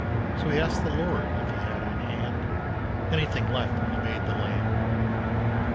So he asked the Lord if he had on hand Anything left when he made the land.